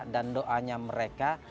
dan doanya mereka